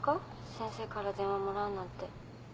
先生から電話もらうなんて。